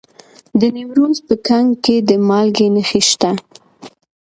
د نیمروز په کنگ کې د مالګې نښې شته.